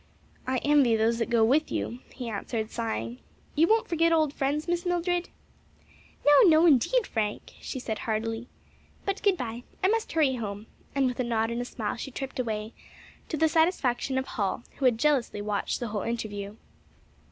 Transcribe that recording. "I envy those that go with you," he answered, sighing. "You won't forget old friends, Miss Mildred?" "No; no, indeed, Frank," she said, heartily. "But good bye. I must hurry home," and with a nod and smile she tripped away; to the satisfaction of Hall who had jealously watched the whole interview.